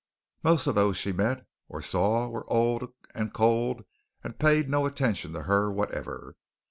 Most of those she met, or saw, were old and cold and paid no attention to her whatever.